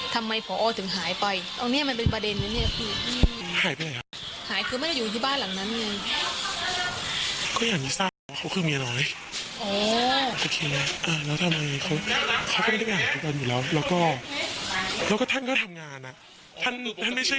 ทำไมผอจึงหายไปตรงนี้มันเป็นประเด็นนี่